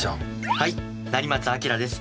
はい成松亮です。